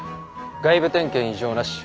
外部点検異常なし。